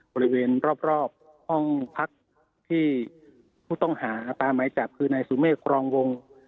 บริเวณรอบห้องพักที่ผู้ต้องหาตามหมายจับคือนายสุเมฆครองวง